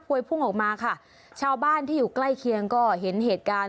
วยพุ่งออกมาค่ะชาวบ้านที่อยู่ใกล้เคียงก็เห็นเหตุการณ์